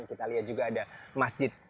kita lihat juga ada masjid